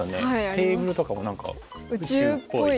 テーブルとかも何か宇宙っぽい。